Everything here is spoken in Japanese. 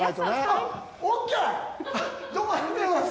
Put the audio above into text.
あっ、どうもありがとうございます！